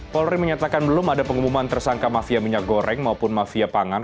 polri menyatakan belum ada pengumuman tersangka mafia minyak goreng maupun mafia pangan